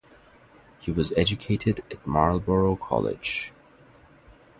He was educated at Marlborough College.